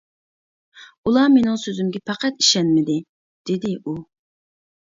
-ئۇلار مېنىڭ سۆزۈمگە پەقەت ئىشەنمىدى، -دېدى ئۇ.